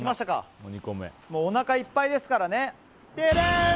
おなかいっぱいですからね。